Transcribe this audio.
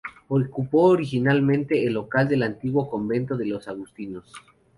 Ocupó originalmente el local del antiguo convento de los agustinos.